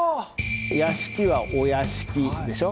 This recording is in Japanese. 「屋敷」は「お屋敷」でしょ。